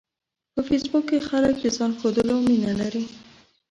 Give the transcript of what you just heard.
په فېسبوک کې خلک د ځان ښودلو مینه لري